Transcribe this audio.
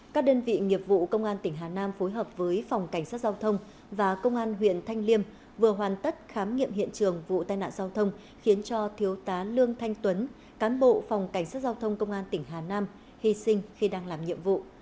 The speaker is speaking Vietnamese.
các đơn vị nghiệp vụ công an tỉnh hà nam phối hợp với phòng cảnh sát giao thông và công an huyện thanh liêm vừa hoàn tất khám nghiệm hiện trường vụ tai nạn giao thông khiến cho thiếu tá lương thanh tuấn cán bộ phòng cảnh sát giao thông công an tỉnh hà nam hy sinh khi đang làm nhiệm vụ